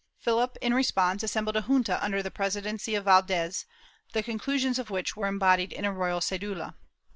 Philip in response assembled a junta under the presidency of Vald^s, the conclusions of which were embodied in a royal c^dula.